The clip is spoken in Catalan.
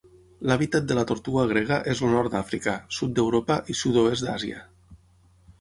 L'hàbitat de la tortuga grega és el nord d'Àfrica, sud d'Europa i sud-oest d'Àsia.